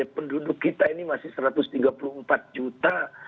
penduduk kita ini masih satu ratus tiga puluh empat juta